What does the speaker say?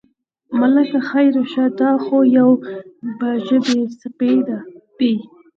ملکه خیر شه، دا خو یو بې ژبې سپی دی.